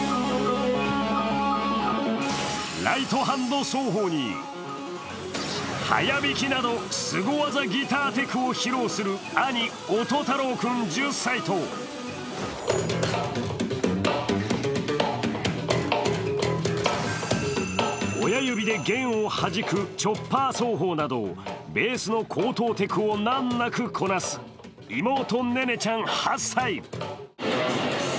ライトハンド奏法に速弾きなどスゴ技ギターテクを披露する兄・音太朗君１０歳と親指で弦を弾くチョッパー奏法などベースの高等テクを難なくこなす妹・音寧ちゃん８歳。